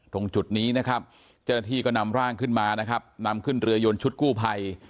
ตรงจุดนี้นะครับเจ้าหน้าที่ก็นำร่างขึ้นมานะครับนำขึ้นเรือยนชุดกู้ภัย